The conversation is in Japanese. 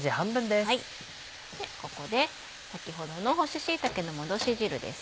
ここで先ほどの干し椎茸のもどし汁です。